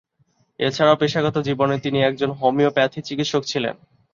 এছাড়াও পেশাগত জীবনে তিনি একজন হোমিওপ্যাথি চিকিৎসক ছিলেন।